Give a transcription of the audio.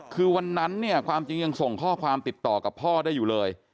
คือวันนั้นเนี่ยความจริงยังส่งข้อความติดต่อกับพ่อได้อยู่เลย